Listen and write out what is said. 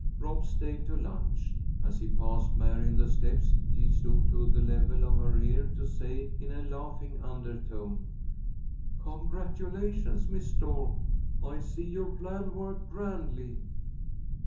Rob stayed to lunch. As he passed Mary on the steps, he stooped to the level of her ear to say in a laughing undertone: "Congratulations, Miss Stork. I see your plan worked grandly."